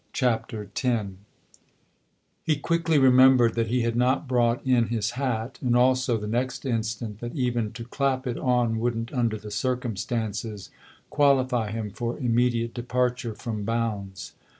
''Good bye," X HE quickly remembered that he had not brought in his hat, and also, the next instant, that even to clap it on wouldn't under the circumstances qualify him for immediate departure from Bounds.